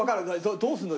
どうするの？